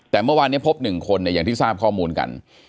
แต่เมื่อวานเนี่ยพบหนึ่งคนเนี่ยอย่างที่ทราบข้อมูลกัน